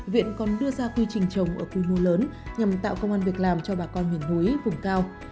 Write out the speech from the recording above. viện còn đưa ra quy trình trồng ở quy mô lớn nhằm tạo công an việc làm cho bà con miền núi vùng cao